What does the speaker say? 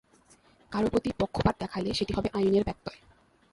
কারও প্রতি পক্ষপাত দেখালে সেটি হবে আইনের ব্যত্যয়।